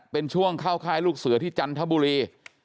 เป็นช่วงเข้าค่ายลูกเสือที่จันทบุรี